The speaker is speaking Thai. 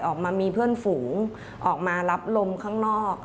ออกมามีเพื่อนฝูงออกมารับลมข้างนอก